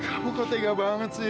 kamu kok tega banget sih